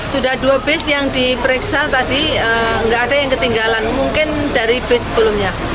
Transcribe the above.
sudah dua bus yang diperiksa tadi nggak ada yang ketinggalan mungkin dari bus sebelumnya